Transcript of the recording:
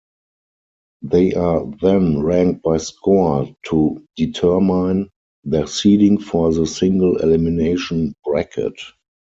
They are then ranked by score to determine their seeding for the single-elimination bracket.